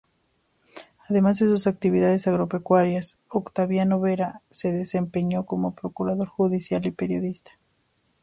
Además de sus actividades agropecuarias, Octaviano Vera, se desempeñó como procurador judicial y periodista.